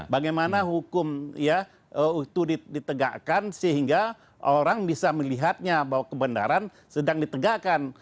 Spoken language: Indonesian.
bagaimana hukum ya itu ditegakkan sehingga orang bisa melihatnya bahwa kebenaran sedang ditegakkan